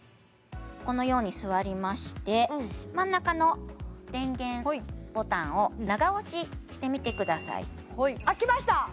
このように座りまして真ん中の電源ボタンを長押ししてみてくださいあっきました